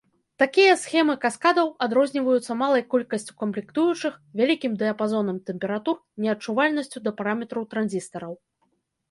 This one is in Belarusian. Такія схемы каскадаў адрозніваюцца малай колькасцю камплектуючых, вялікім дыяпазонам тэмператур, неадчувальнасцю да параметраў транзістараў.